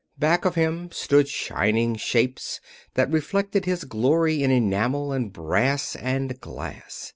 Back of him stood shining shapes that reflected his glory in enamel, and brass, and glass.